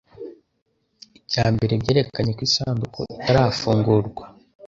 ibya mbere byerekanye ko isanduku itarafungurwa